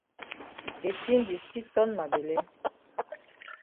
De tin di still ton ma bele.